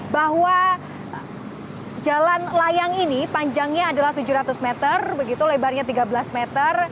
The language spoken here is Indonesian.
bahwa jalan layang ini panjangnya adalah tujuh ratus meter begitu lebarnya tiga belas meter